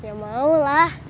ya mau lah